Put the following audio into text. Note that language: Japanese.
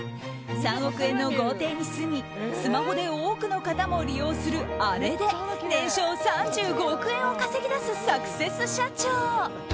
３億円の豪邸に住みスマホで多くの方も利用する利用するあれで年商３５億円を稼ぎ出すサクセス社長。